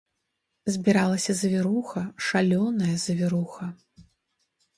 Збіралася завіруха, шалёная завіруха.